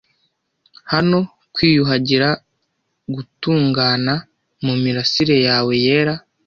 Hano, kwiyuhagira, gutungana, mumirasire yawe yera,